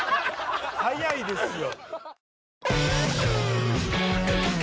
早いですよ。